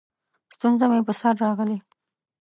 ستونزه مې په سر راغلې؛